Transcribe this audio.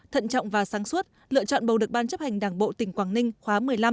thận trọng và sáng suốt lựa chọn bầu được ban chấp hành đảng bộ tỉnh quảng ninh khóa một mươi năm